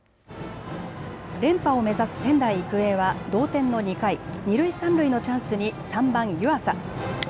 連覇を目指す仙台育英は同点の２回二塁、三塁のチャンスに３番・湯浅。